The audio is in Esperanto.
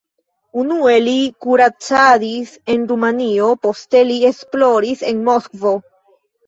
Unue li kuracadis en Rumanio, poste li esploris en Moskvo.